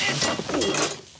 おっ。